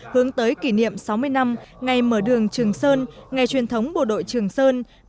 hướng tới kỷ niệm sáu mươi năm ngày mở đường trường sơn ngày truyền thống bộ đội trường sơn